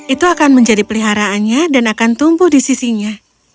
itu akan menjadi peliharaannya dan akan tumbuh di sisinya